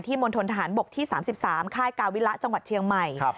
มณฑนทหารบกที่๓๓ค่ายกาวิระจังหวัดเชียงใหม่